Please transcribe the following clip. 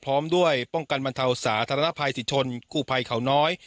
พร้อมด้วยป้องกันบรรเทาสาธารณภัยสิทธนกู้ภัยเขาน้อย